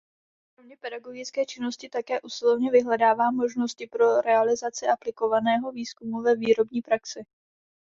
Kromě pedagogické činnosti také usilovně vyhledává možnosti pro realizaci aplikovaného výzkumu ve výrobní praxi.